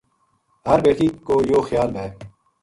ہر بیٹکی کو یوہ خیال وھے